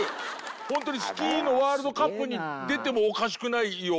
ホントにスキーのワールドカップに出てもおかしくないような